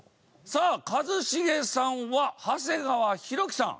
さあ一茂さんは長谷川博己さん。